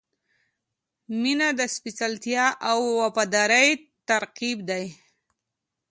• مینه د سپېڅلتیا او وفادارۍ ترکیب دی.